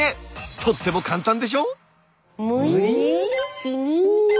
とっても簡単でしょ？